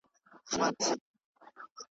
او حتی ماشومان یې هم ورسره بېولي ول .